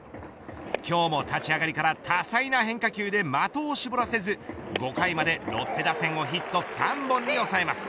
今日も立ち上がりから多彩な変化球で的を絞らせず５回までロッテ打線をヒット３本に抑えます。